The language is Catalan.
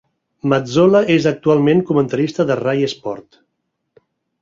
Mazzola és actualment comentarista de Rai Sport.